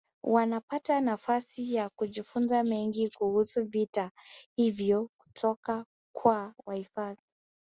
Wanapata nafasi ya kujifunza mengi kuhusu vitu hivyo kutoka kwa wahifadhi